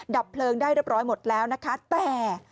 ดับเพลิงได้เรียบร้อยหมดแล้วนะคะแต่